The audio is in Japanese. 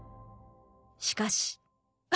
しかし。